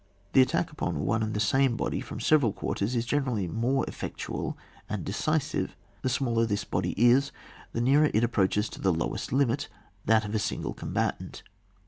The attack upon one and the same body from several quarters is generally more effectual and de cisive, the smaller this body is, the nearer it approaches to the lowest limit — that of a single combatant.